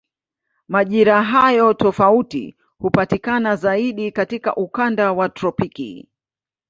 Majira hayo tofauti hupatikana zaidi katika ukanda wa tropiki.